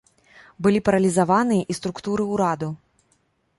Былі паралізаваныя і структуры ўраду.